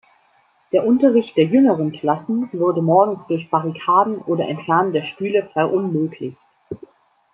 Der Unterricht der jüngeren Klassen wurde morgens durch Barrikaden oder Entfernen der Stühle verunmöglicht.